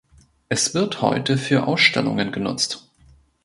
Es wird heute für Ausstellungen genutzt.